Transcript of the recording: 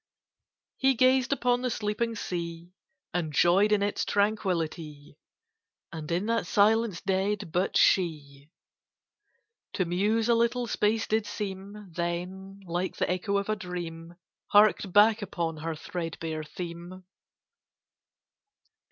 He gazed upon the sleeping sea, And joyed in its tranquillity, And in that silence dead, but she To muse a little space did seem, Then, like the echo of a dream, Harked back upon her threadbare theme.